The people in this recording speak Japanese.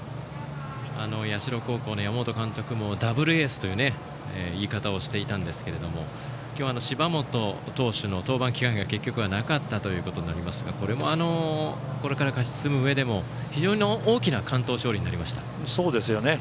社高校の山本監督もダブルエースという言い方をしていたんですけれども今日、芝本投手の登板機会が結局はなかったことになりますがこれもこれから勝ち進むうえでも非常に大きな完投勝利になりました。